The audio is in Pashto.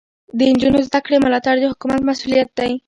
د نجونو زده کړې ملاتړ د حکومت مسؤلیت دی.